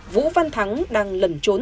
vũ văn thắng đang lẩn trốn